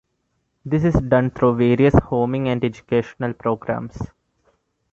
This is done through various homing and educational programs.